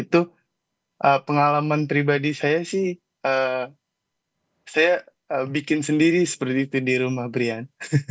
itu pengalaman pribadi saya sih saya bikin sendiri seperti itu di rumah brian